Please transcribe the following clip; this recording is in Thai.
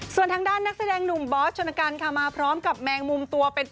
ส่วนทางด้านนักแสดงหนุ่มบอสชนกันค่ะมาพร้อมกับแมงมุมตัวเป็น